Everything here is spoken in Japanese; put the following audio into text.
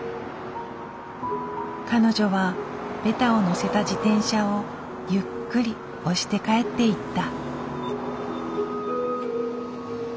彼女はベタをのせた自転車をゆっくり押して帰っていった。